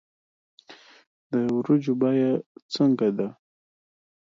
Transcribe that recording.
د ورجو بیه څنګه ده